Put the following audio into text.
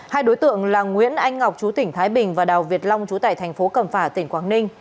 hai đối tượng là nguyễn anh ngọc chú tỉnh thái bình và đào việt long chú tại tp cầm phả tỉnh quảng ninh